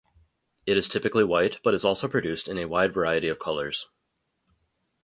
It is typically white, but is also produced in a wide variety of colors.